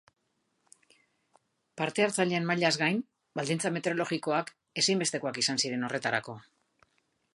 Parta hartzaileen mailaz gain, baldintza meteorologikoak ezinbestekoak izan ziren horretarako.